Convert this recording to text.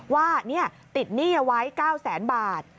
ว่าติดหนี้ไว้๙๐๐๐๐๐บาท